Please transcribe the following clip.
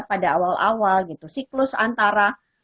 pada awal awal gitu siklus antara